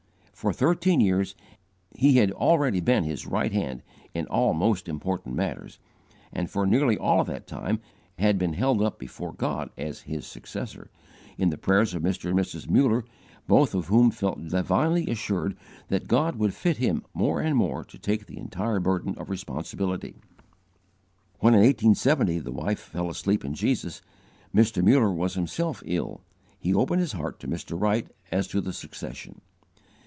For thirteen years he had already been his "right hand" in all most important matters; and, for nearly all of that time, had been held up before God as his successor, in the prayers of Mr. and Mrs. Muller, both of whom felt divinely assured that God would fit him more and more to take the entire burden of responsibility. When, in 1870, the wife fell asleep in Jesus, and Mr. Muller was himself ill, he opened his heart to Mr. Wright as to the succession.